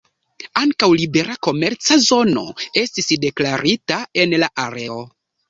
Ankaŭ libera komerca zono estis deklarita en la areo.